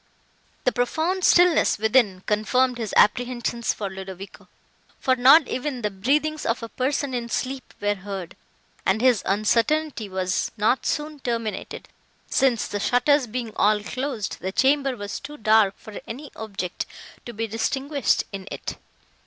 The profound stillness within confirmed his apprehensions for Ludovico, for not even the breathings of a person in sleep were heard; and his uncertainty was not soon terminated, since the shutters being all closed, the chamber was too dark for any object to be distinguished in it.